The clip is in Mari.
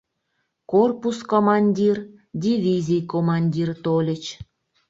Корпус командир, дивизий командир тольыч.